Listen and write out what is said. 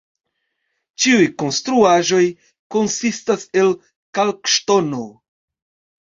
Ĉiuj konstruaĵoj konsistas el kalkŝtono.